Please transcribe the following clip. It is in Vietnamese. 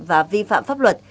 và vi phạm pháp luật